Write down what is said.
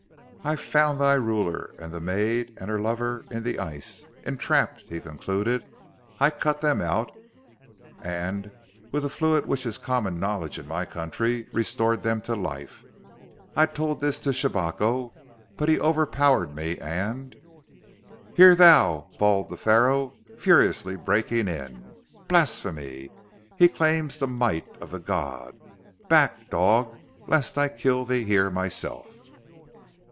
"I found thy ruler and the maid and her lover in the ice, entrapped," he concluded. "I cut them out and, with a fluid which is of common knowledge in my country, restored them to life. I told this to Shabako, but he overpowered me and " "Hear thou!" bawled the Pharaoh, furiously breaking in. "Blasphemy! He claims the might of the God! Back, dog, lest I kill thee here myself!"